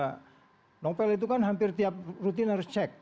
saya bilang ya novel itu kan hampir tiap rutin harus cek